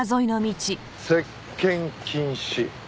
接見禁止？